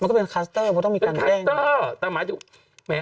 มันก็เป็นทักสรรวมล่ะพวกเราต้องมีการแด้ง